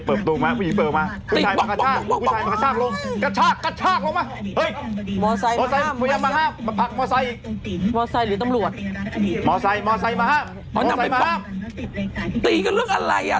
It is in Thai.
ผู้ชายพยายามดึง